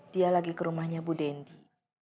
dia lagi ke rumahnya bu dendi